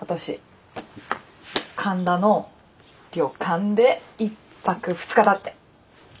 神田の旅館で１泊２日だって。